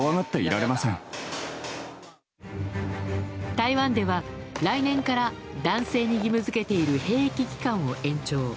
台湾では来年から男性に義務付けている兵役期間を延長。